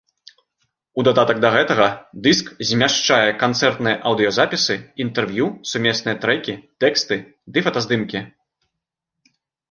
У дадатак да гэтага дыск змяшчае канцэртныя аўдыёзапісы, інтэрв'ю, сумесныя трэкі, тэксты ды фотаздымкі.